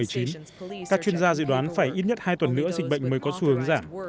các chuyên gia dự đoán phải ít nhất hai tuần nữa dịch bệnh mới có xu hướng giảm